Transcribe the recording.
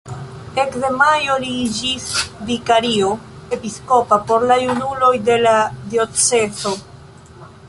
Ekde majo li iĝis vikario episkopa por la junuloj de la diocezo.